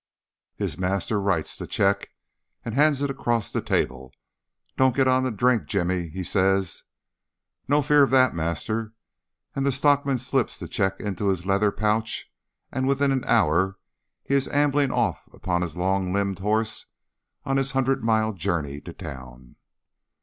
His master writes the cheque and hands it across the table. "Don't get on the drink, Jimmy," he says. "No fear of that, master," and the stockman slips the cheque into his leather pouch, and within an hour he is ambling off upon his long limbed horse on his hundred mile journey to town.